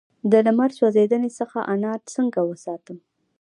د لمر سوځیدنې څخه انار څنګه وساتم؟